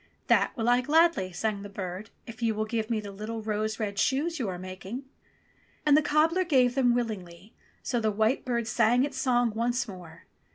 "That will I gladly," sang the bird, "if you will give me the little rose red shoes you are making." And the cobbler gave them willingly, so the white bird sang its song once more.